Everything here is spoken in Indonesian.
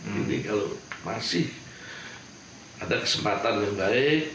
kalau masih ada kesempatan yang baik